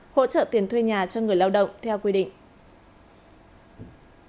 hỗ trợ tiền thuê nhà cho người lao động theo quy định